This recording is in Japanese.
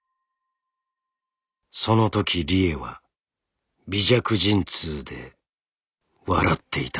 そのとき理栄は微弱陣痛で笑っていた」。